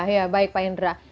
ya baik pak indra